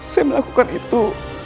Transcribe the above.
saya melakukan itu